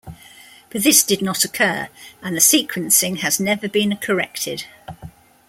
But this did not occur, and the sequencing has never been corrected.